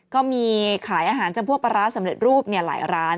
ก็มีขายอาหารจำพวกปลาร้าสำเร็จรูปหลายร้าน